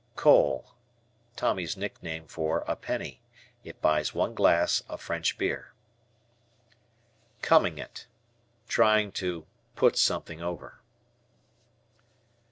"Cole." Tommy's nickname for a penny. It buys one glass of French beer. "Coming it." Trying to "put something over."